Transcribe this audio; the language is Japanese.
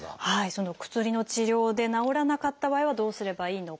その薬の治療で治らなかった場合はどうすればいいのか。